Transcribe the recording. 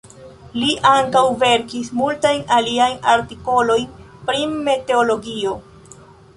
Li ankaŭ verkis multajn aliajn artikolojn pri meteologio.